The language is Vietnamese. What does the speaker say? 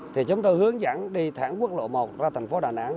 thì chúng tôi hướng dẫn đi thẳng quốc lộ một ra thành phố đà nẵng